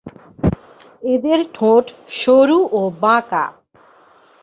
এদের ঠোঁট সরু ও বাঁকা।